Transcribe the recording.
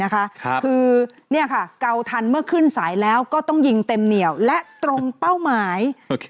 คือเกาทันเมื่อขึ้นสายแล้วก็ต้องยิงเต็มเหนียวและตรงเป้าหมาย